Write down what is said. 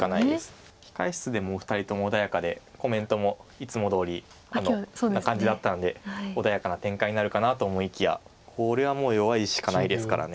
控え室でもお二人とも穏やかでコメントもいつもどおりな感じだったんで穏やかな展開になるかなと思いきやこれはもう弱い石しかないですから。